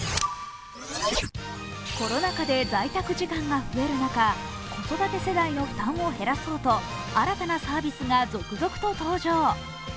コロナ禍で在宅時間が増える中子育て世代の負担を減らそうと新たなサービスが続々と登場。